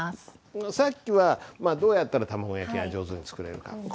さっきはどうやったら卵焼きが上手に作れるか。